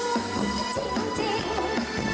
ขอโทษทีขอไว้ทุกคนที่เธอที